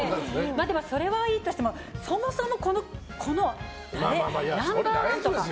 でも、それはいいとしてもそもそもこのナンバー１とか。